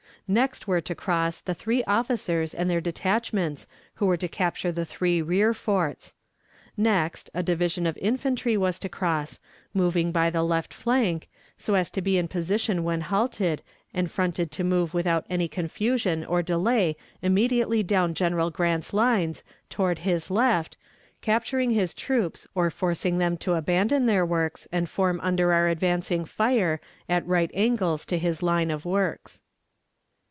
Next were to cross the three officers and their detachments, who were to capture the three rear forts. Next, a division of infantry was to cross, moving by the left flank, so as to be in position when halted, and fronted to move without any confusion or delay immediately down General Grant's lines, toward his left, capturing his troops, or forcing them to abandon their works and form under our advancing fire at right angles to his line of works.